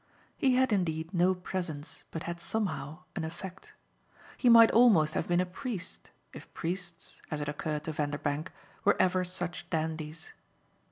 He had indeed no presence but had somehow an effect. He might almost have been a priest if priests, as it occurred to Vanderbank, were ever such dandies.